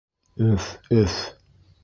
Өф, өф!